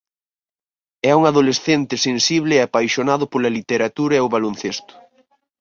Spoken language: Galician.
É un adolescente sensible e apaixonado pola literatura e o baloncesto.